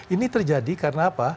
ini terjadi karena apa